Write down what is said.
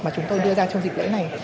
mà chúng tôi đưa ra trong dịp lễ này